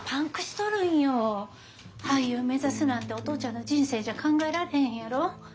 俳優目指すなんてお父ちゃんの人生じゃ考えられへんやろ？